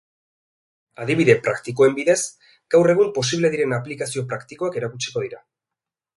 Adibide praktikoen bidez, gaur egun posible diren aplikazio praktikoak erakutsiko dira.